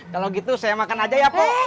kalau gitu saya makan aja ya pak